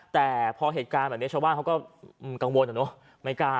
แต่พอเหตุการณ์แบบนี้ชาวบ้านเขาก็กังวลอะเนอะ